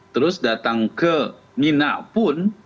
terus datang ke mina pun